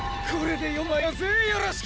これで４枚だぜよろしく！